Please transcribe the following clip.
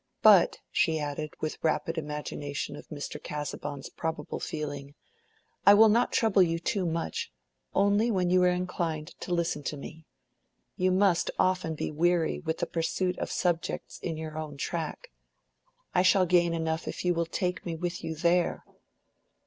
But," she added, with rapid imagination of Mr. Casaubon's probable feeling, "I will not trouble you too much; only when you are inclined to listen to me. You must often be weary with the pursuit of subjects in your own track. I shall gain enough if you will take me with you there."